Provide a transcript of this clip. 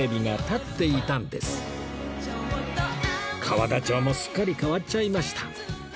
河田町もすっかり変わっちゃいました